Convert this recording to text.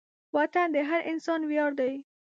وطن د هر انسان ویاړ دی.